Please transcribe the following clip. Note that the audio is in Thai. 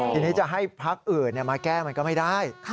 ทีนี้จะให้พักอื่นมาแก้มันก็ไม่ได้